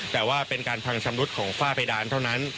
แต่ว่าเป็นการพังชำรุดของฝ้าเพดานเท่านั้น